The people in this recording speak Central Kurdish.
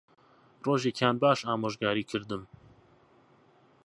ڕۆژێکیان باش ئامۆژگاریی کردم